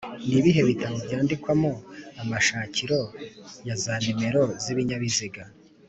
Nibihe bitabo byandikwamo amashakiro yazanimero z’ibinyabiziga